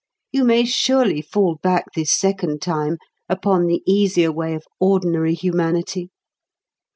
You may surely fall back this second time upon the easier way of ordinary humanity.